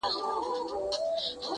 دا له زمان سره جنګیږي ونه!